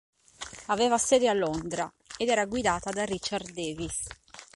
Aveva sede a Londra ed era guidata da Richard Davis.